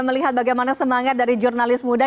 melihat bagaimana semangat dari jurnalis muda